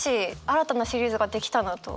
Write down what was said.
新たなシリーズが出来たなと。